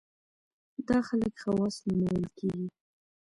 دا خلک خواص نومول کېږي.